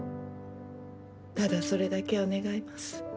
ただそれだけを願います。